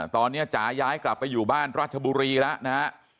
ตอนนี้จ๋าย้ายกลับไปอยู่บ้านราชบุรีแล้วนะฮะ